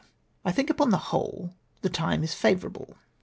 — I tliink, upon the whole, the time is favourable.